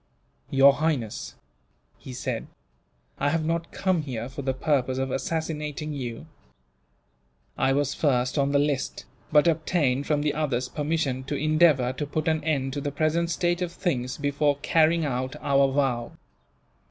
"Your Highness," he said, "I have not come here for the purpose of assassinating you. I was first on the list, but obtained from the others permission to endeavour to put an end to the present state of things, before carrying out our vow.